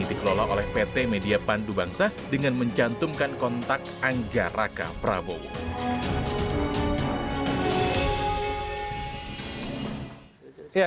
ini dikelola oleh pt media pandu bangsa dengan mencantumkan kontak anggar raka prabowo